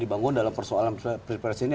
dibangun dalam persoalan pilpres ini